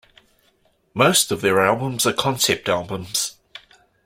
Most of their albums are concept albums.